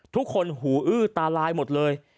ทุกคนหูอื้อตาลายหมดเลย